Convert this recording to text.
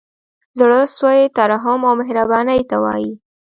زړه سوی ترحم او مهربانۍ ته وايي.